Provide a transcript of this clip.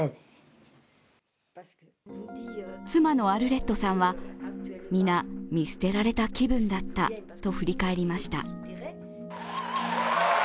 妻のアルレットさんは、皆、見捨てられた気分だったと振り返りました。